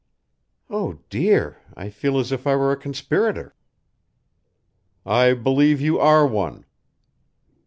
"Oh, dear! I feel as if I were a conspirator." "I believe you are one.